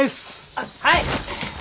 あっはい！